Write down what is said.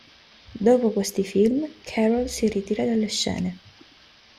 Dopo questi film, Carroll si ritira dalle scene.